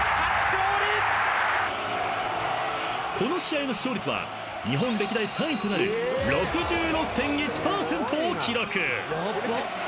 ［この試合の視聴率は日本歴代３位となる６６．１％を記録］